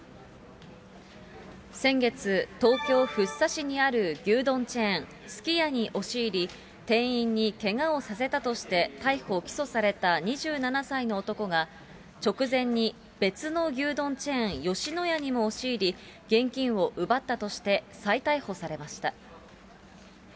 先月、東京・福生市にある牛丼チェーン、すき家に押し入り、店員にけがをさせたとして逮捕・起訴された２７歳の男が、直前に別の牛丼チェーン、吉野家にも押し入り、現金を奪ったとして、再逮捕されました。